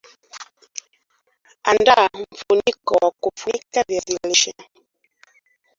andaa mfuniko wa kufunikia viazi lishe